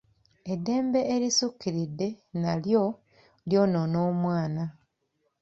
Eddembe erisukkiridde nalyo lyonoona omwana.